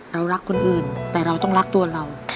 รักคนอื่นแต่เราต้องรักตัวเรา